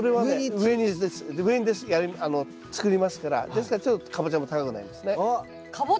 上に作りますからですからちょっとカボチャも高くなりますね。